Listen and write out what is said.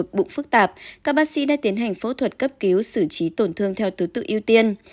các bác sĩ đã tiến hành phẫu thuật cấp cứu xử trí tổn thương theo tứ tự ưu tiên